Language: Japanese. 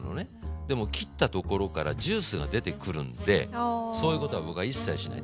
でも切ったところからジュースが出てくるんでそういうことは僕は一切しない。